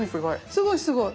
すごいすごい。